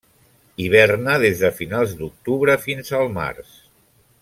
Hiverna des de finals d'octubre fins al març.